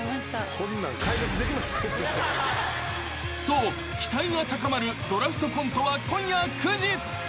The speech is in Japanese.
［と期待が高まる『ドラフトコント』は今夜９時］